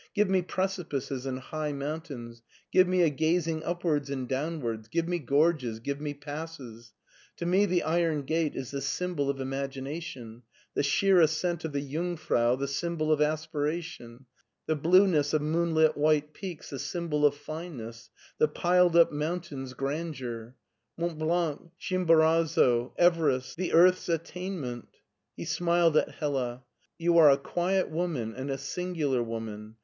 Give me precipices and high mountains, give me a gazing upwards and downwards, give me gorges, give me passes I To me the Iron Gate is the symbol of imagi nation, the sheer ascent of the Jungf rau the symbol of aspiration, the blueness of moonlit white peaks the symbcd of fineness, the piled up mountains grandeur 1 — Mont Blanc, Chimborazo, Everest, the earth's attain ment." He smiled at Hella. You arc a quiet woman and a singular woman.